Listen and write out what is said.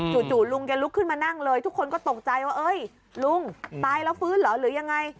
จู่ลุงแกลุกขึ้นมานั่งเลยทุกคนก็ตกใจว่าเอ้ยลุงตายแล้วฟื้นเหรอหรือยังไง